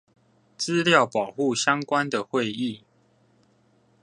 資料保護相關的會議